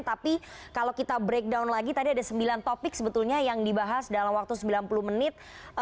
tapi kalau kita breakdown lagi tadi ada sembilan topik sebetulnya yang dibahas dalam waktu sembilan puluh menit